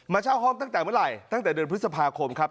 เช่าห้องตั้งแต่เมื่อไหร่ตั้งแต่เดือนพฤษภาคมครับ